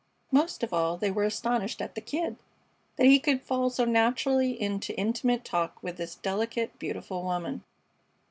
Most of all they were astonished at "the Kid," that he could fall so naturally into intimate talk with this delicate, beautiful woman.